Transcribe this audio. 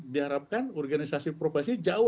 diharapkan organisasi profesi jauh